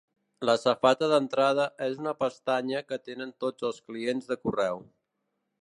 La safata d'entrada és una pestanya que tenen tots els clients de correu.